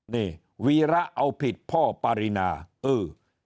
นี่วีระเอาผิดพ่อปรินาเออ